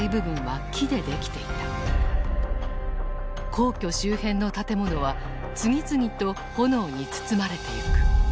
皇居周辺の建物は次々と炎に包まれていく。